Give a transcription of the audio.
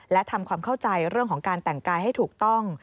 และทำความเข้าใจเรื่องของการแต่งกายให้ถูกต้อง